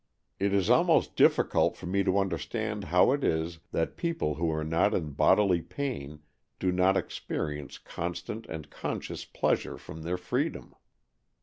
It is almost difficult for me to under stand how it is, that people who are not in bodily pain do not experience constant and conscious pleasure from their freedom.